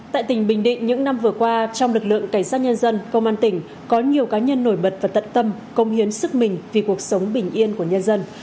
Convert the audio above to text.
tại tỉnh bình định những năm vừa qua trong lực lượng cảnh sát nhân dân công an tỉnh có nhiều cá nhân nổi bật và tận tâm công hiến sức mình vì cuộc sống bình yên của nhân dân